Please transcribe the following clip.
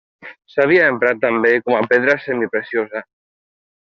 S'havia emprat també com a pedra semipreciosa.